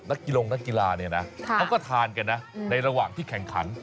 กิลงนักกีฬาเนี่ยนะเขาก็ทานกันนะในระหว่างที่แข่งขัน